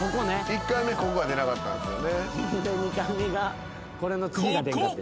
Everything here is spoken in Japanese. １回目ここが出なかったんすよ。